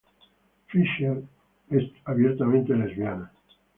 Fischer es abiertamente lesbiana.